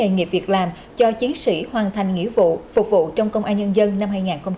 nghề nghiệp việc làm cho chiến sĩ hoàn thành nghĩa vụ phục vụ trong công an nhân dân năm hai nghìn hai mươi ba